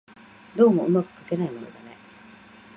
どうも巧くかけないものだね